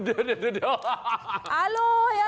เดี๋ยว